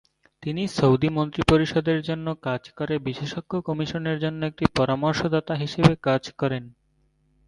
তিনি সৌদি মন্ত্রিপরিষদের জন্য কাজ করে বিশেষজ্ঞ কমিশনের জন্য একটি পরামর্শদাতা হিসেবে কাজ করেন।